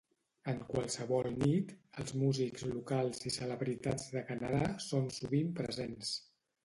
En qualsevol nit, els músics locals i celebritats de Canadà són sovint presents.